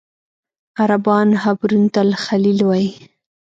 عربان حبرون ته الخلیل وایي.